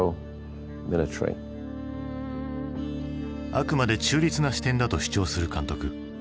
あくまで中立な視点だと主張する監督。